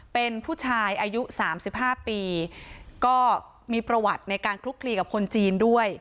เป็นผู้ชายอายุ๓๕ปีก็มีประวัติในการคลุกคลีกับคนจีนด้วย